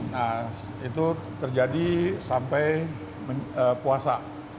nah itu terjadi sampai puasa